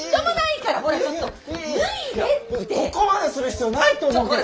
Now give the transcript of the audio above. ここまでする必要ないと思うけど！